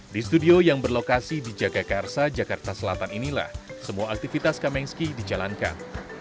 di studio yang berlokasi di jagakarsa jakarta selatan inilah semua aktivitas kamengski dijalankan